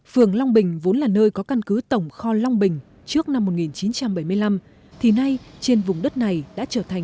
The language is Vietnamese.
phường long bình vốn là nơi có căn cứ tổng kho long bình trước năm một nghìn chín trăm bảy mươi năm thì nay trên vùng đất này đã trở thành